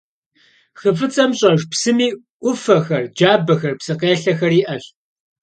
Хы Фӏыцӏэм щӏэж псыми ӏуфэхэр, джабэхэр, псы къелъэхэр иӏэщ.